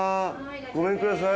ごめんください。